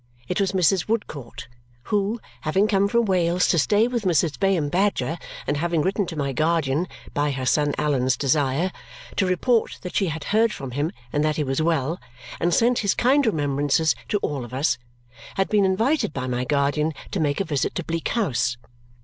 It was Mrs. Woodcourt, who, having come from Wales to stay with Mrs. Bayham Badger and having written to my guardian, "by her son Allan's desire," to report that she had heard from him and that he was well "and sent his kind remembrances to all of us," had been invited by my guardian to make a visit to Bleak House.